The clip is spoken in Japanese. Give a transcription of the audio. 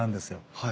はい。